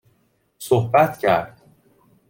صحبت کرد